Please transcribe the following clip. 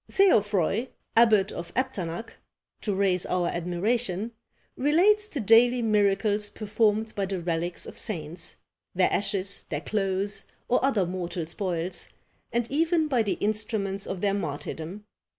Theofroy, abbot of Epternac, to raise our admiration, relates the daily miracles performed by the relics of saints, their ashes, their clothes, or other mortal spoils, and even by the instruments of their martyrdom.